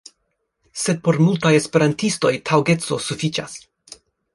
Sed por multaj Esperantistoj taŭgeco sufiĉas.